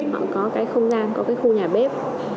bạn có cái không gian có cái khu nhà bếp